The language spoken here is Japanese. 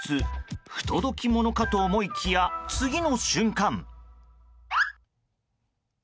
不届き者かと思いきや次の瞬間。